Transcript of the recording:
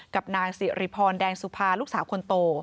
กับนางสิริพรแดงสุภาลูกสาวคนโต